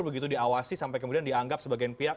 begitu diawasi sampai kemudian dianggap sebagai pihak